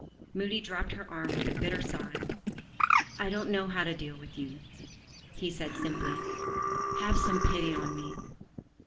Moody dropped her arm with a bitter sigh. "I don't know how to deal with you," he said simply. "Have some pity on me!"